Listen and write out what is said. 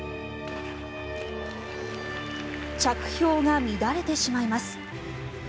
着氷が乱れてしまいます。